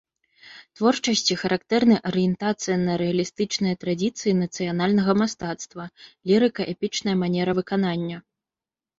Творчасці характэрны арыентацыя на рэалістычныя традыцыі нацыянальнага мастацтва, лірыка-эпічная манера выканання.